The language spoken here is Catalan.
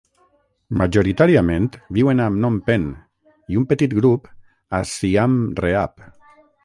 Majoritàriament viuen a Phnom Penh i un petit grup, a Siam Reap.